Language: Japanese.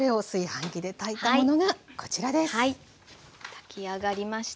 炊き上がりました。